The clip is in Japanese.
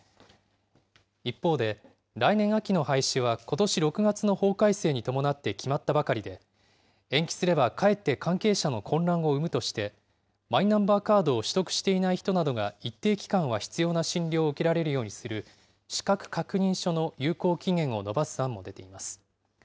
一方で、来年秋の廃止はことし６月の法改正に伴って決まったばかりで、延期すればかえって関係者の混乱を生むとして、マイナンバーカードを取得していない人などが、一定期間は必要な診療を受けられるようにする、資格確認書の有効期限を延ばす案も出ています。